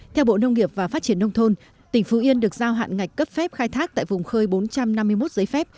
theo bộ nông nghiệp và phát triển nông thôn tỉnh phú yên được giao hạn ngạch cấp phép khai thác tại vùng khơi bốn trăm năm mươi một giấy phép